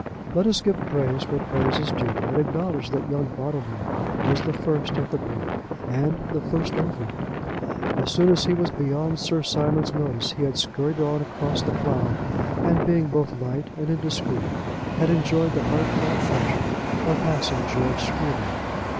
Let us give praise where praise is due, and acknowledge that young Bottomley was the first at the brook, and the first over it. As soon as he was beyond Sir Simon's notice, he had scurried on across the plough, and being both light and indiscreet, had enjoyed the heartfelt pleasure of passing George Scruby.